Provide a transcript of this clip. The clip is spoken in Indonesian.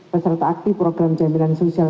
peserta aktif program jaminan sosial